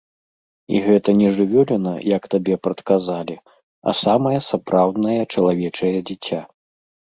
І гэта не жывёліна, як табе прадказалі, а самае сапраўднае чалавечае дзіця.